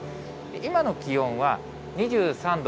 今の気温は２３度。